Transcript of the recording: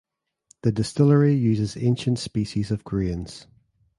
The distillery uses ancient species of grains.